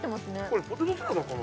これポテトサラダかな？